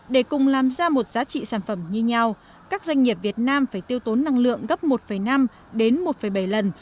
để cùng làm ra một giá trị sản phẩm như nhau các doanh nghiệp việt nam phải tiêu tốn năng lượng gấp một năm đến một bảy lần